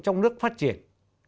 trong nước phát triển